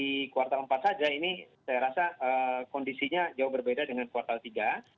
di kuartal empat saja ini saya rasa kondisinya jauh berbeda dengan kuartal tiga